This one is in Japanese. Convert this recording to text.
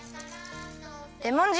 レモン汁！